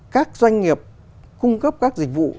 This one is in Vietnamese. các doanh nghiệp cung cấp các dịch vụ